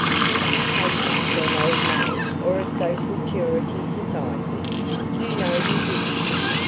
Did you take me for an old maid or a Social Purity Society? You know you didn't.